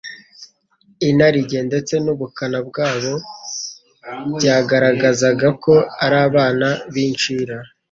inarijye, ndetse n'ubukana bwabo byabagaragazaga ko ari abana b'incira,